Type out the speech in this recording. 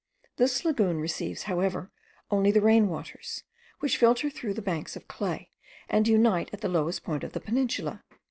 This lagoon receives, however, only the rain waters, which filter through the banks of clay, and unite at the lowest point of the peninsula.